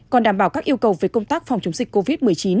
còn đảm bảo các yêu cầu về công tác phòng chống dịch covid một mươi chín